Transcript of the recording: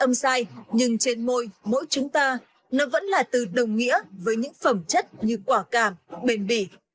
tâm sai nhưng trên môi mỗi chúng ta nó vẫn là từ đồng nghĩa với những phẩm chất như quả càng bền bỉ